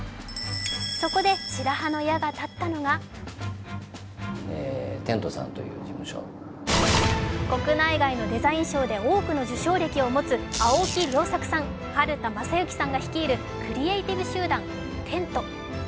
そこで白羽の矢が立ったのが国内外のデザイン賞で多くの受賞歴を持つ青木亮作さん、治田将之さんが率いるクリエイティブ集団・ＴＥＮＴ。